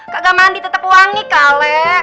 kagak mandi tetap wangi kale